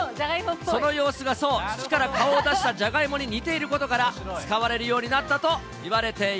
その様子がそう、土から顔を出したじゃがいもに似ていることから使われるようにな